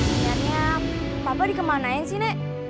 sebenarnya papa dikemanain sih nek